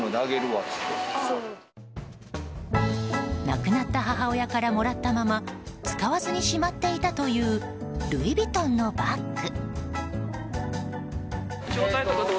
亡くなった母親からもらったまま使わずにしまっていたというルイ・ヴィトンのバッグ。